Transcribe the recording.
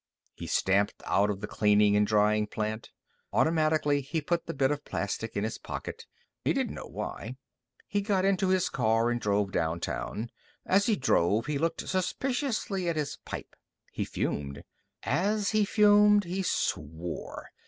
He stamped out of the cleaning and drying plant. Automatically, he put the bit of plastic in his pocket. He didn't know why. He got into his car and drove downtown. As he drove, he looked suspiciously at his pipe. He fumed. As he fumed, he swore.